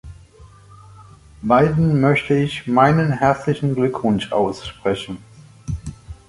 Beiden möchte ich meinen herzlichen Glückwunsch aussprechen.